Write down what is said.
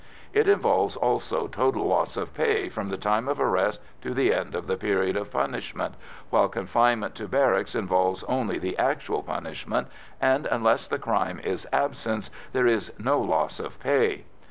It involves also total loss of pay from the time of arrest to the end of the period of punishment, while confinement to barracks involves only the actual punishment, and, unless the crime is "absence," there is no loss of pay.